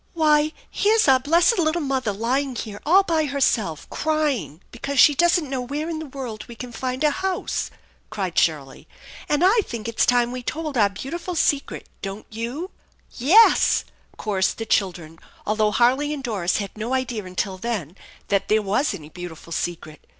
"Why, here's our blessed little mother lying here all by herself, crying because she doesn't know where in the world we can find a house !" cried Shirley ;" and I think it's time we told our beautiful secret, don't you ?"" Yes," chorused the children, although Harley and Doris had no idea until then that there was any beautiful secret.